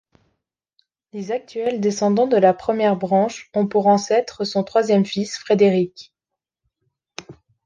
Les actuels descendants de la première branche ont pour ancêtre son troisième fils Frédéric.